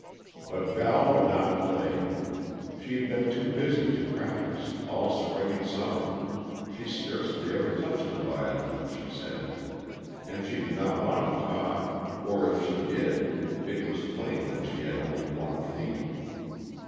But Val would not play she had been too busy to practice, all spring and summer; she scarcely ever touched the violin, she said. And she did not want to talk or if she did, it was plain that she had only one theme.